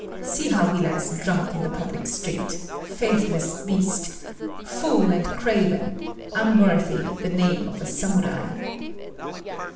See how he lies drunk in the public street! Faithless beast! Fool and craven! Unworthy the name of a Samurai!"